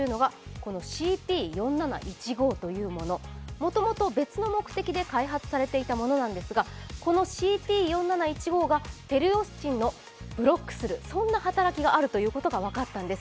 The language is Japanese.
もともと別の目的で開発されていたものなんですがこのＣＰ４７１５がペリオスチンをブロックする働きがあることが分かったんです。